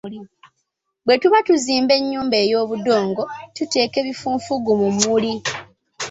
Bwe tuba tuzimba enyumba ey'obudongo tuteeka ebifunfugu mu mmuli.